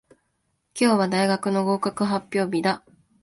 今日は大学の合格発表日だ。